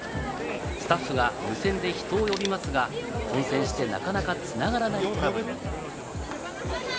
スタッフが無線で人を呼びますが、混線して、なかなか繋がらない。